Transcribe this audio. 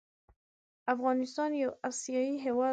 افغانستان يو اسياى هيواد دى